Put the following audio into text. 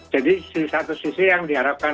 jadi di satu sisi yang diharapkan